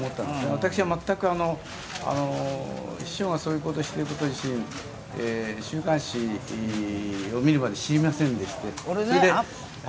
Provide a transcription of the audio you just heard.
私は秘書がそういったことをしているということ自体、週刊誌を見るまで知りませんでしたので。